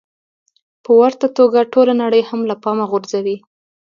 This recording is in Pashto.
په ورته توګه ټوله نړۍ هم له پامه غورځوي.